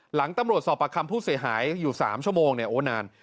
หลังตำรวจสอบประคำผู้เสียหายอยู่๓ชั่วโมงเนี่ยโอ้นาน